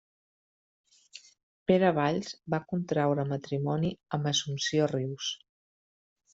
Pere Valls va contraure matrimoni amb Assumpció Rius.